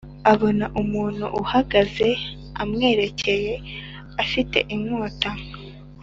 Abona umuntu uhagaze amwerekeye afite inkota